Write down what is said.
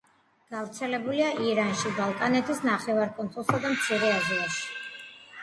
გავრცელებულია ირანში, ბალკანეთის ნახევარკუნძულსა და მცირე აზიაში.